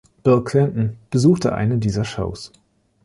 Bill Clinton besuchte eine dieser Shows.